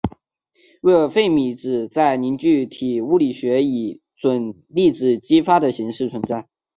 魏尔费米子在凝聚体物理学里以准粒子激发的形式存在。